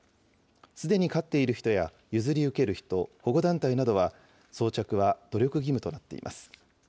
すでに飼っている人や、譲り受ける人、保護団体などは、装着は努力義務となっています。